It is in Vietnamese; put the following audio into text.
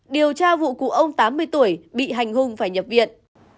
điều tra vụ cụ ông tám mươi tuổi bị hành hung phải nhập viện